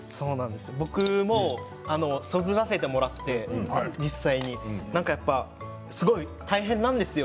僕も実際にそずらせてもらってすごい大変なんですよ。